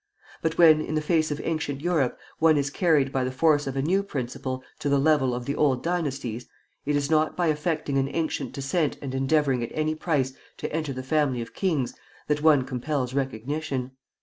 But when, in the face of ancient Europe, one is carried by the force of a new principle to the level of the old dynasties, it is not by affecting an ancient descent and endeavoring at any price to enter the family of kings, that one compels recognition.